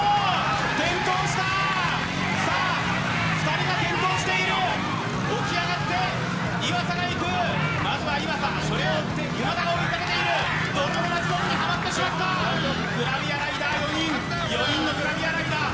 転倒したさあ２人が転倒している起き上がって岩佐が行くまずは岩佐それを追いかけている泥沼地獄にはまってしまったグラビアライダー４人４人のグラビアライダー